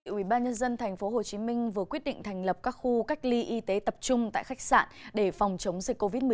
ủy ban nhân dân tp hcm vừa quyết định thành lập các khu cách ly y tế tập trung tại khách sạn để phòng chống dịch covid một mươi chín